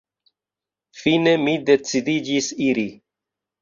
Fine mi decidiĝis iri.